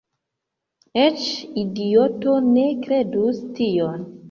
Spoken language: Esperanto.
Eĉ idioto ne kredus tion."